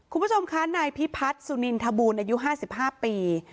คุณผู้ชมคะนายพิพัฒน์สุนินทบูรณ์อายุ๕๕ปี